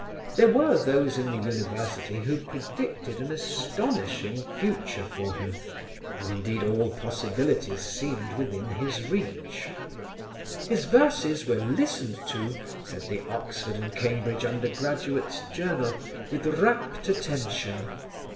There were those in the University who predicted an astonishing future for him, and indeed all possibilities seemed within his reach. "His verses were listened to," said The Oxford and Cambridge Undergraduates' Journal, "with rapt attention."